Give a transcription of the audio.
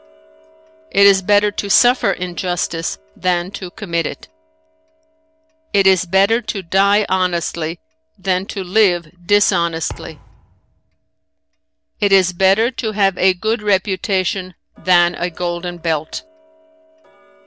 "It is better to suffer injustice than to commit it. "It is better to die honestly than to live dishonestly. "It is better to have a good reputation than a golden belt.